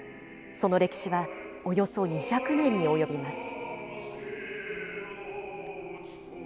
その歴史は、およそ２００年に及びます。